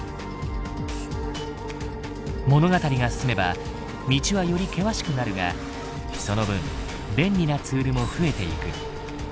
物語が進めば道はより険しくなるがその分便利なツールも増えていく。